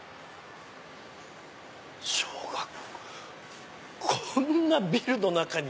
小学校こんなビルの中に。